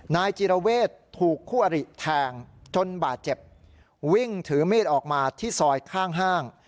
นายจิรเวทถูกคู่อริแทงจนบาดเจ็บวิ่งถือมีดออกมาที่ซอยข้างห้าง